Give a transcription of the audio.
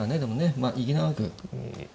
まあ息長く。